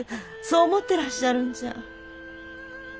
そう思ってらっしゃるんじゃ。